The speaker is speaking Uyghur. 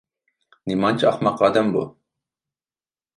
نېمانچە ئەخمەق ئادەم بۇ.